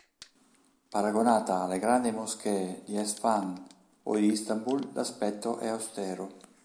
Paragonata alle grandi moschee di Esfahan o di Istanbul l'aspetto è austero.